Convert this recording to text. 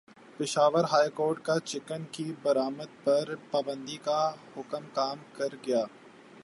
Peshawar high court کا chicken کی برآمد پر پابندی کا حکم کام کر گیا